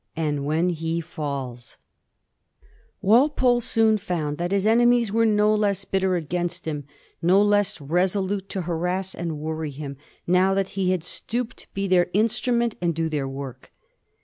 "and when he falls ^ Walpole soon foand that his enemies were no less bit ter against him, no less resolute to harass and worry him, now that he had stooped to be their instrument and do their work.